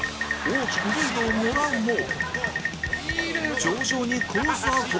大きくリードをもらうも徐々にコース